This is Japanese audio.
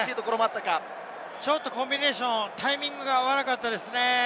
ちょっとコンビネーション、タイミングが合わなかったですね。